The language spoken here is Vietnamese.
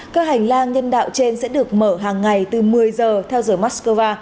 các hành lang nhân đạo trên sẽ được mở hàng ngày từ một mươi giờ theo giờ moscow